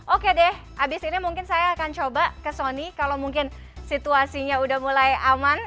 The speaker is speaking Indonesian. oke deh abis ini mungkin saya akan coba ke sony kalau mungkin situasinya udah mulai aman